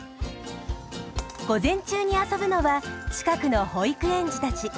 午前中に遊ぶのは近くの保育園児たち。